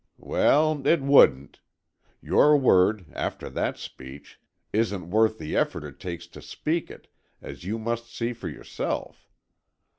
"Well, it wouldn't. Your word, after that speech, isn't worth the effort it takes to speak it, as you must see for yourself.